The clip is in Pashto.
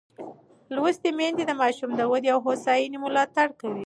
لوستې میندې د ماشوم د ودې او هوساینې ملاتړ کوي.